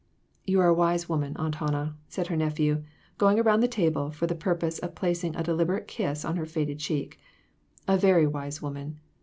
"You are a wise woman, Aunt Hannah," said her nephew, going around the table for the pur pose of placing a deliberate kiss on her faded cheek; " a very wise woman.